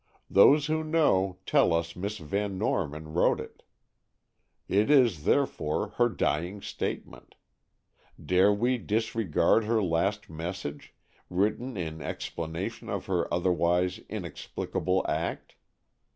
Those who know, tell us Miss Van Norman wrote it. It is, therefore, her dying statement. Dare we disregard her last message, written in explanation of her otherwise inexplicable act?